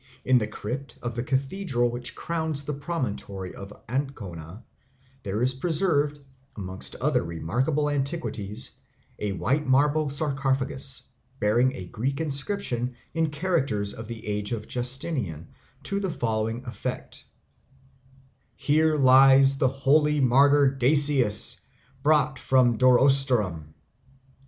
In the crypt of the cathedral which crowns the promontory of Ancona there is preserved, among other remarkable antiquities, a white marble sarcophagus bearing a Greek inscription, in characters of the age of Justinian, to the following effect: "Here lies the holy martyr Dasius, brought from Durostorum."